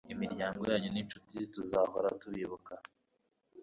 imiryango yanyu n'inshuti, tuzahora tubibuka